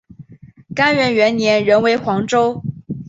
干元元年仍为黄州。